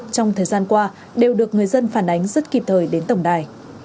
trong thời gian qua đều được người dân phản ánh rất kịp thời đến tổng đài